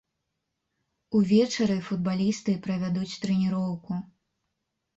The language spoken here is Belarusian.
Увечары футбалісты правядуць трэніроўку.